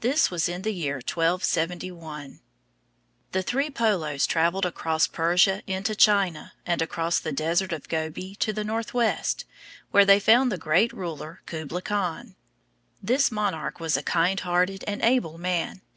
This was in the year 1271. The three Polos traveled across Persia into China, and across the Desert of Gobi to the northwest, where they found the great ruler, Kublai Khan. This monarch was a kind hearted and able man.